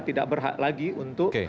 tidak berhak lagi untuk